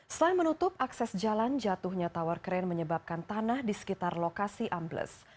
selain menutup akses jalan jatuhnya tower crane menyebabkan tanah di sekitar lokasi ambles